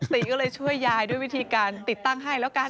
ติก็เลยช่วยยายด้วยวิธีการติดตั้งให้แล้วกัน